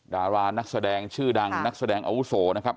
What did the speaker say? ดารานักแสดงชื่อดังนักแสดงอาวุโสนะครับ